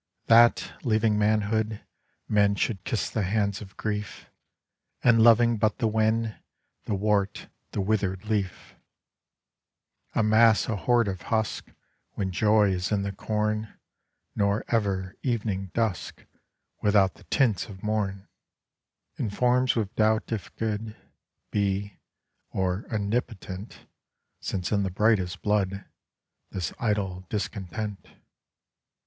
That, leaving manhood, men Should kiss the hands of grief And, loving but the wen, The wart, the wither'd leaf, Amass a hoard of husks When joy is in the corn Nor ever evening dusks Without the tints of morn, Informs with doubt if good Be, or omnipotent; Since in the brightest blood This idle discontent.